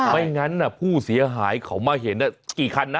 ไม่งั้นผู้เสียหายเขามาเห็นกี่คันนะ